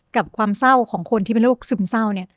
กับความเศร้าของคนที่เป็นโรคซึมเศร้าเนี่ย